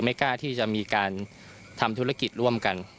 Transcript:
ไม่กล้าที่จะมีการทำธุรกิจร่วมกัน